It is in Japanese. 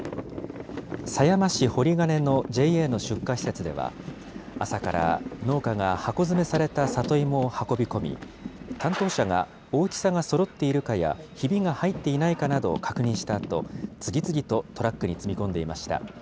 狭山市堀兼のＪＡの出荷施設では、朝から農家が箱詰めされた里芋を運び込み、担当者が大きさがそろっているかや、ひびが入っていないかなどを確認したあと、次々とトラックに積み込んでいました。